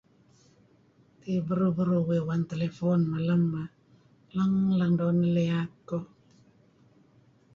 Uih beruh-beruh uih uwan telefon malem neh, leng-leng doo' neh liyat kuh.